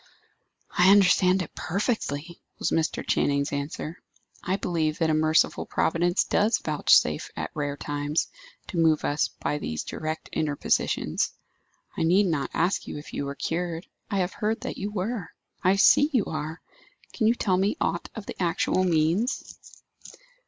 "I understand it perfectly," was Mr. Channing's answer. "I believe that a merciful Providence does vouchsafe, at rare times, to move us by these direct interpositions. I need not ask you if you were cured. I have heard that you were. I see you are. Can you tell me aught of the actual means?"